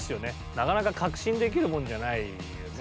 なかなか確信できるもんじゃないよね。